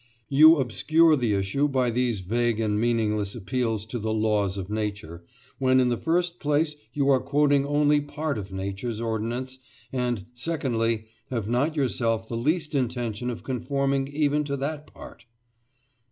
You obscure the issue by these vague and meaningless appeals to the "laws of Nature," when, in the first place, you are quoting only part of Nature's ordinance, and, secondly, have not yourself the least intention of conforming even to that part.